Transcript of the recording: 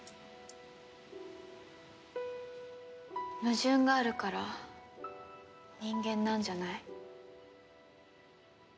矛盾があるから人間なんじゃない？